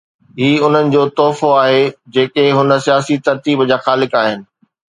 هي انهن جو تحفو آهي جيڪي هن سياسي ترتيب جا خالق آهن.